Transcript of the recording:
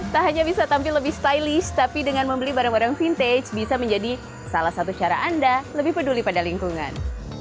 tak hanya bisa tampil lebih stylish tapi dengan membeli barang barang vintage bisa menjadi salah satu cara anda lebih peduli pada lingkungan